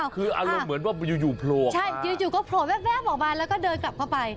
คืออารมณ์เหมือนว่าอยู่โผล่ใช่จู่ก็โผล่แวบออกมาแล้วก็เดินกลับเข้าไป